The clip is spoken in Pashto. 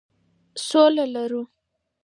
سوله لرو.